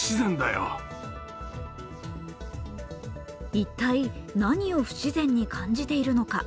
一体、何を不自然に感じているのか。